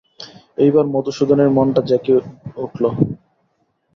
এইবার মধুসূদনের মনটা ঝেঁকে উঠল।